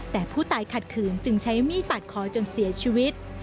แต่ผู้ตายขัดขืนจึงใช้มีดปาดคอจนเสียชีวิต